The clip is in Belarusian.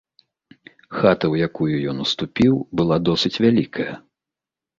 Хата, у якую ён уступіў, была досыць вялікая.